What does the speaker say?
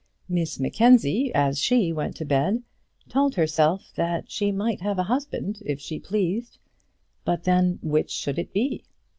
Miss Mackenzie, as she went to bed, told herself that she might have a husband if she pleased; but then, which should it be?